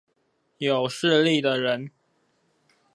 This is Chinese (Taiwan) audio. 有勢力的人